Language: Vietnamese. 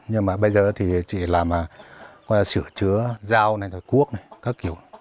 nhưng mà bây giờ thì chỉ làm sửa chứa dao này là cuốc này các kiểu